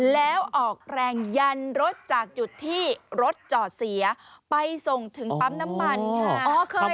แล้วออกแรงยันรถจากจุดที่รถจอดเสียไปส่งถึงปั๊มน้ำมันค่ะ